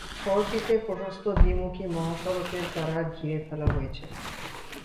শহরটিতে প্রশস্ত দ্বি-মুখী মহাসড়কের দ্বারা ঘিরে ফেলা হয়েছে।